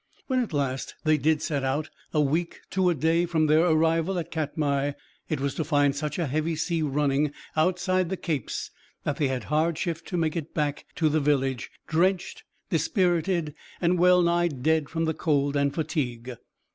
When at last they did set out a week, to a day, from their arrival at Katmai it was to find such a heavy sea running outside the capes that they had hard shift to make it back to the village, drenched, dispirited, and well nigh dead from the cold and fatigue.